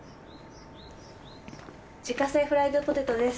自家製フライドポテトです。